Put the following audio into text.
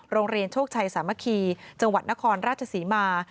โรงเรียนโชคชัยสามัคคีจังหวัดนครราชศรีมา